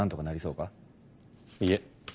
いえ。